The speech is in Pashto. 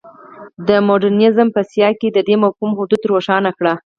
د مډرنیزم په سیاق کې د دې مفهوم حدود روښانه کړي.